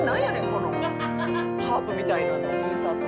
このハープみたいなインサート」